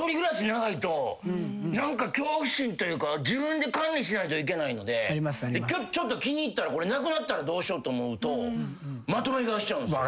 長いと恐怖心というか自分で管理しないといけないので気に入ったらこれなくなったらどうしようと思うとまとめ買いしちゃうんすよ。